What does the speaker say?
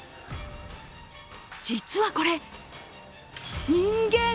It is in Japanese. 実はこれ、人間。